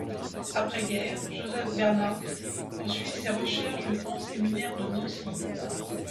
Après guerre, Joseph Bernhaupt poursuit ses recherches au grand séminaire de Nancy.